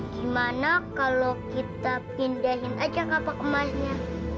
gimana kalau kita pindahin aja kapak emasnya